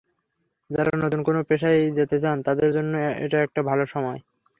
যাঁরা নতুন কোনো পেশায় যেতে চান, তাঁদের জন্য এটা একটা ভালো সময়।